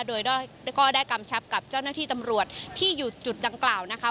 โดยก็ได้กำชับกับเจ้าหน้าที่ตำรวจที่อยู่จุดดังกล่าวนะคะ